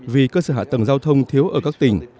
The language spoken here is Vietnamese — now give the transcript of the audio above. vì cơ sở hạ tầng giao thông thiếu ở các tỉnh